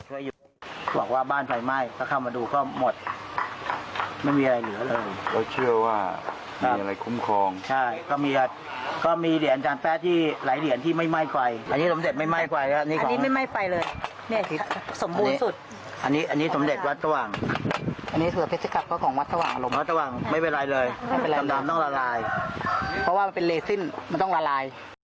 มันต้องราลายเพราะว่ามันเป็นเลซิ่นมันต้องราลาย